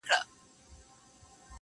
نه په بګړۍ نه په تسپو نه په وینا سمېږي؛